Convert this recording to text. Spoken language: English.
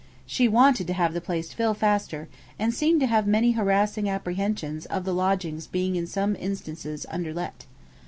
She wanted to have the place fill faster, and seemed to have many harassing apprehensions of the lodgings being in some instances underlet.